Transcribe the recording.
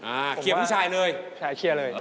อ่าเคลียร์ผู้ชายเลย